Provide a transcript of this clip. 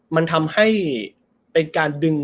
มันทำให้เป็นการดึง